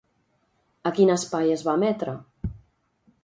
A quin espai es va emetre?